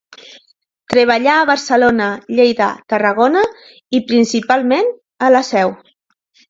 Treballà a Barcelona, Lleida, Tarragona i, principalment, a la Seu.